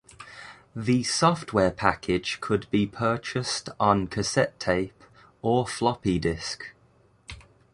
The software package could be purchased on cassette tape or floppy disk.